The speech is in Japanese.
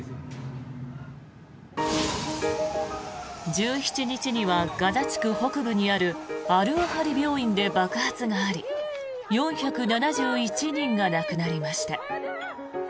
１７日にはガザ地区北部にあるアルアハリ病院で爆発があり４７１人が亡くなりました。